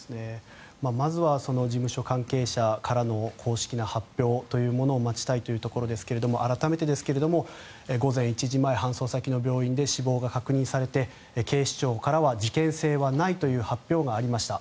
まずは事務所関係者からの公式な発表というものを待ちたいというところですが改めてですが午前１時前搬送先の病院で死亡が確認されて警視庁からは事件性はないという発表がありました。